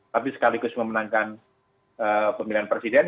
tapi sekaligus memenangkan pemilihan presiden